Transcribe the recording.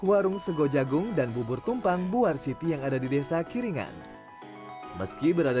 warung sego jagung dan bubur tumpang buar city yang ada di desa kiringan meski berada